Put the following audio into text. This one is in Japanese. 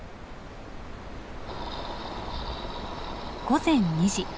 午前２時。